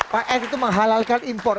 pak f itu menghalalkan impor